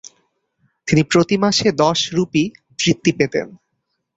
তিনি প্রতিমাসে দশ রূপি বৃত্তি পেতেন।